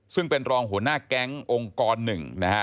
ซึ่งเป็นรองหัวหน้าแก๊งองค์กรหนึ่งนะฮะ